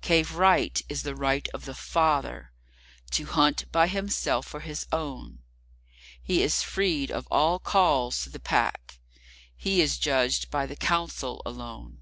Cave Right is the right of the Father—to hunt by himself for his own:He is freed of all calls to the Pack; he is judged by the Council alone.